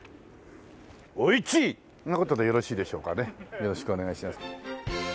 よろしくお願いします。